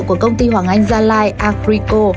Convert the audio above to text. của công ty hoàng anh gia lai agrico